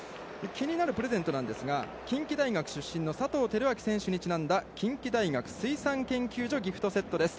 気になるプレゼントは近畿大学出身の佐藤輝明選手にちなんだ「近畿大学水産研究所ギフトセット」です。